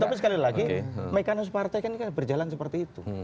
tapi sekali lagi mekanisme partai kan berjalan seperti itu